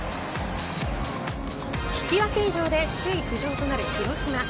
引き分け以上で首位浮上となる広島。